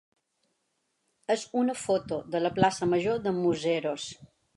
és una foto de la plaça major de Museros.